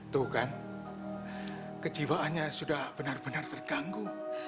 tuh kan kejiwaannya sudah benar benar terganggu